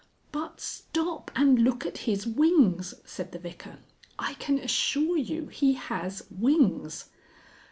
"But stop and look at his wings!" said the Vicar. "I can assure you he has wings!"